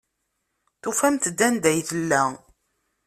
Tufamt-d anda ay tella.